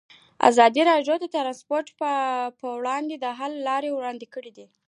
ازادي راډیو د ترانسپورټ پر وړاندې د حل لارې وړاندې کړي.